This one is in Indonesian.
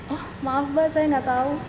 oh maaf mbak saya gak tau